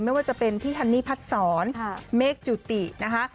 ไม่ว่าจะเป็นพี่ฮันนี่พัดศรเมฆจุตินะคะ